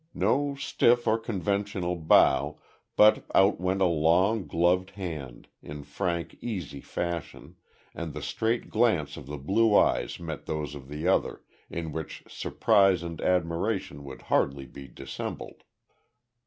No stiff or conventional bow, but out went a long, gloved hand, in frank, easy fashion, and the straight glance of the blue eyes met those of the other, in which surprise and admiration would hardly be dissembled.